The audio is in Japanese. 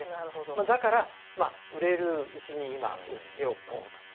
だから、売れるうちに今、売っておこうと。